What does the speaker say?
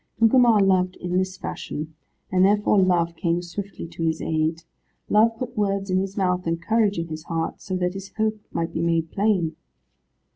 Gugemar loved in this fashion, and therefore Love came swiftly to his aid. Love put words in his mouth, and courage in his heart, so that his hope might be made plain.